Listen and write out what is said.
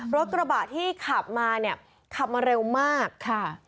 รถกระบะที่ขับมาเนี่ยขับมาเร็วมากค่ะ